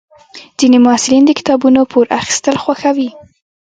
ځینې محصلین د کتابونو پور اخیستل خوښوي.